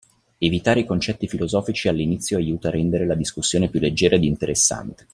Evitare i concetti filosofici all'inizio aiuta a rendere la discussione più leggera ed interessante.